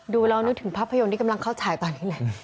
ดูแล้วนึกถึงภาพยนตร์ที่กำลังเข้าฉายตอนนี้แหละ